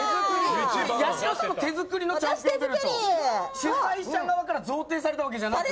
主催者側から贈呈されたわけじゃなく？